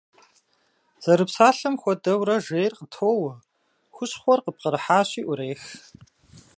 Зэрыпсалъэм хуэдэурэ, жейр къытоуэ, хущхъуэр къыпкърыхьащи Ӏурех.